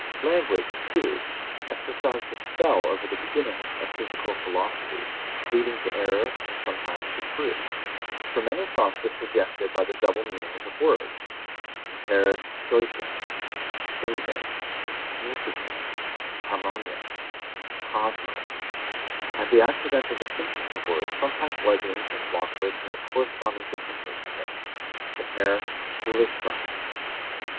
Language, two, exercised a spell over the beginnings of physical philosophy, leading to error and sometimes to truth; for many thoughts were suggested by the double meanings of words (Greek), and the accidental distinctions of words sometimes led the ancient philosopher to make corresponding differences in things (Greek).